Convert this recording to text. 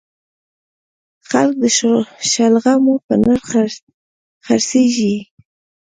خلک د شلغمو په نرخ خرڅیږي